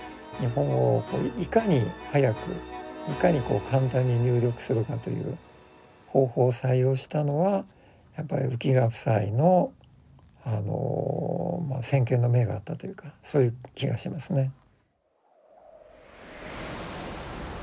日本語をいかに速くいかに簡単に入力するかという方法を採用したのはやっぱり浮川夫妻の先見の明があったというかそういう気がしますね。